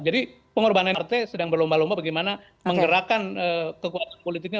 jadi pengorbanan partai sedang berlomba lomba bagaimana menggerakkan kekuatan politiknya